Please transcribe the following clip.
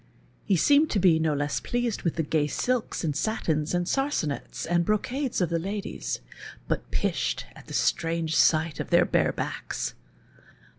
He seemed to be no less pleased with the gay silks and satins and sarsenets and brocades of the ladies, but pish'd at the strange sight of their bare backs.